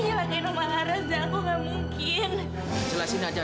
sama banget zaku